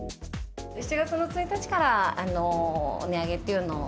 ７月の１日から値上げっていうのを。